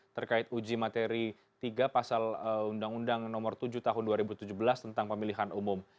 terkait uji materi tiga pasal undang undang nomor tujuh tahun dua ribu tujuh belas tentang pemilihan umum